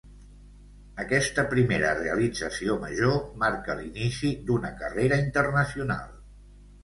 Aquesta primera realització major, marca l'inici d'una carrera internacional.